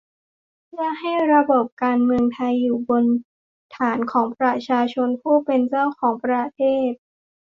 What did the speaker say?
เพื่อให้ระบบการเมืองไทยอยู่บนฐานของประชาชนผู้เป็นเจ้าของประเทศ